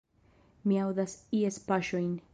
Mi aŭdas ies paŝojn!